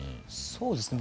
そうですね